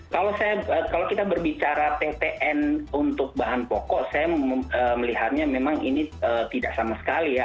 kalau kita berbicara tpn untuk bahan pokok saya melihatnya memang ini tidak sama sekali ya